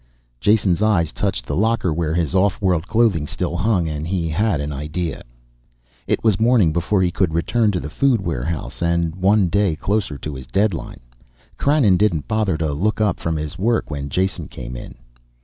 Jason's eyes touched the locker where his off world clothing still hung, and he had an idea. It was morning before he could return to the food warehouse and one day closer to his deadline. Krannon didn't bother to look up from his work when Jason came in.